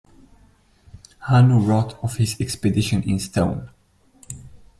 Hannu wrote of his expedition in stone.